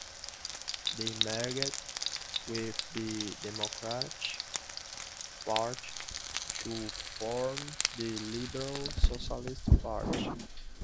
They merged with the Democratic Party to form the Liberal Socialist Party.